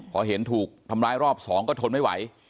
พอเห็นถูกทำร้ายรอบสองก็ทนไม่ไหว